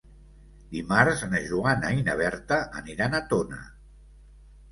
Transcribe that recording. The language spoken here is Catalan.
Dimarts na Joana i na Berta aniran a Tona.